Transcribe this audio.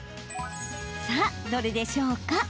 さあ、どれでしょうか？